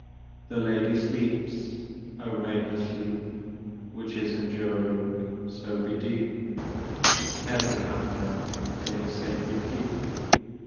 The lady sleeps! Oh, may her sleep Which is enduring, so be deep! Heaven have her in its sacred keep!